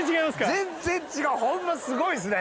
全然違うホンマすごいですね！